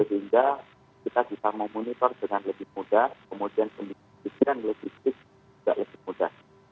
sehingga kita ditamai monitor dengan lebih mudah kemudian penelitikan logistik juga lebih mudah